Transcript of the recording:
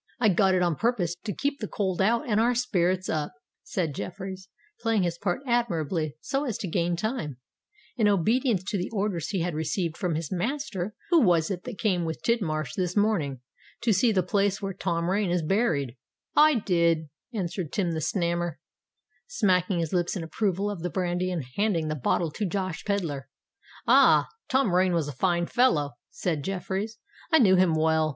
"I got it on purpose to keep the cold out and our spirits up," said Jeffreys, playing his part admirably so as to gain time, in obedience to the orders he had received from his master. "Who was it that came with Tidmarsh this morning to see the place where Tom Rain is buried?" "I did," answered Tim the Snammer, smacking his lips in approval of the brandy, and handing the bottle to Josh Pedler. "Ah! Tom Rain was a fine fellow!" said Jeffreys. "I knew him well.